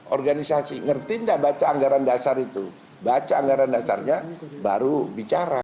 organisasi ngerti nggak baca anggaran dasar itu baca anggaran dasarnya baru bicara